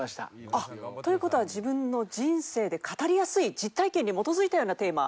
あっ！という事は自分の人生で語りやすい実体験に基づいたようなテーマ？